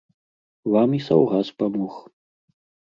Вам і саўгас памог.